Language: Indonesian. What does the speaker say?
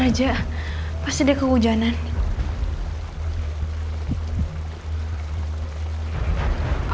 kau gak bisa nungguin aku